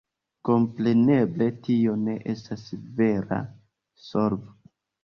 Kompreneble tio ne estas vera solvo.